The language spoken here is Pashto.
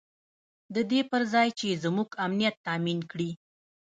د دې پر ځای چې زموږ امنیت تامین کړي.